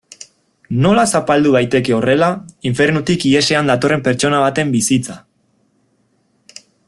Nola zapaldu daiteke horrela infernutik ihesean datorren pertsona baten bizitza?